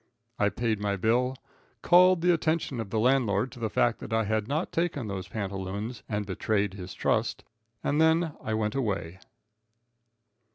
I paid my bill, called the attention of the landlord to the fact that I had not taken those pantaloons and 'betrayed' his trust, and then I went away.